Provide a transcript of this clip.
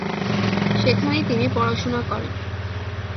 সেখানেই তিনি পড়াশোনা করেন।